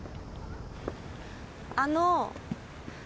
あの。